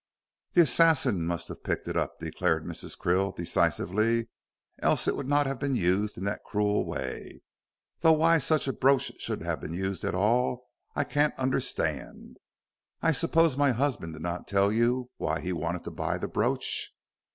"The assassin must have picked it up," declared Mrs. Krill, decisively, "else it would not have been used in that cruel way; though why such a brooch should have been used at all I can't understand. I suppose my husband did not tell you why he wanted to buy the brooch?"